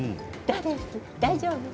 大丈夫？